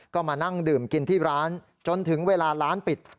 ก็มานั่งดื่มกินที่ร้านจนถึงเวลาร้านปิด